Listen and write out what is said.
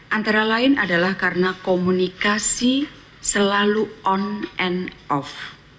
antara lain adalah karena komunikasi selalu on and off